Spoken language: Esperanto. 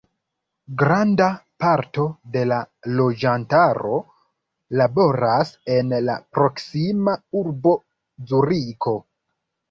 Granda parto de la loĝantaro laboras en la proksima urbo Zuriko.